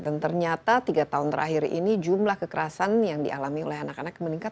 dan ternyata tiga tahun terakhir ini jumlah kekerasan yang dialami oleh anak anak meningkat